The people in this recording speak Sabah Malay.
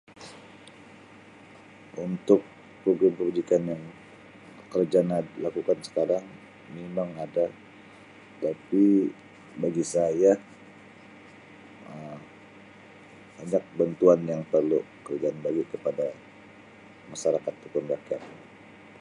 Untuk program kebajikan yang kerajaan Um lakukan sekarang mimang ada tapi bagi saya Um banyak bantuan yang perlu kerajaan bagi kepada masyarakat ataupun rakyat.